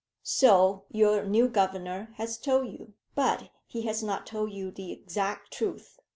"So your new Governor has told you, but he has not told you the exact truth.